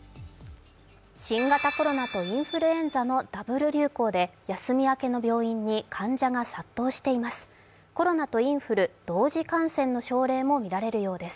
新型コロナとインフルエンザのダブル流行で休み明けの病院に患者が殺到しています。